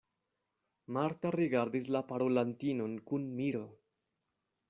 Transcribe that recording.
Marta rigardis la parolantinon kun miro.